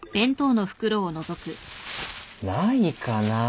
ないかな？